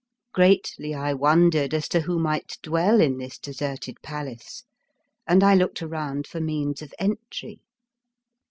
Greatly I wondered as to who might dwell in this deserted palace, and I looked around for means of entry.